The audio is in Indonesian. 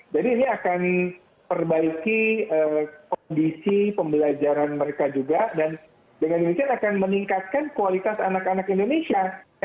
jadi ini akan perbaiki kondisi pembelajaran mereka juga dan dengan demikian akan meningkatkan kualitas anak anak indonesia